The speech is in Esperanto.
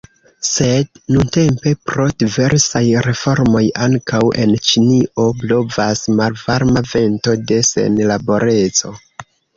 Sed nuntempe pro diversaj reformoj ankaŭ en Ĉinio blovas malvarma vento de senlaboreco.